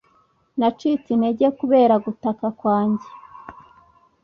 Nacitse intege kubera gutaka kwanjye